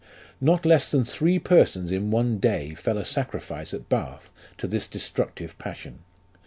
" Not less than three persons in one day fell a sacrifice at Bath to this destructive passion.